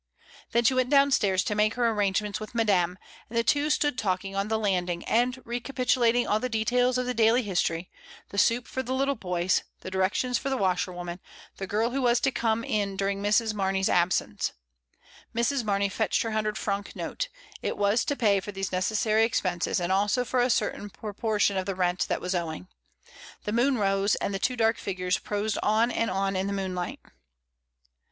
Then she went downstairs to make her arrange ments with Madame, and the two stood talking on the landing, and recapitulating all the details of the daily history, the soup for the little boys, the directions for the washerwoman, the girl who was to come in during Mrs. Mamey's absence. Mrs. Mamey fetched her hundred franc note; it was to pay for these necessary expenses, and also for a certain proportion of rent that was owing. The moon rose, and the two dark figures prosed on and on in the moonlight.